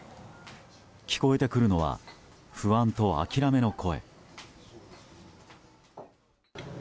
聞こえてくるのは不安と諦めの声。